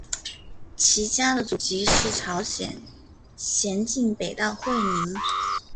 其家的祖籍是朝鲜咸镜北道会宁。